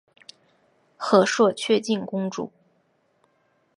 和硕悫靖公主。